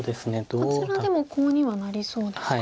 こちらでもコウにはなりそうですか。